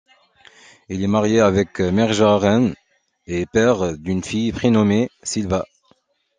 Il est marié avec Merja Rehn et père d'une fille prénommée Silva.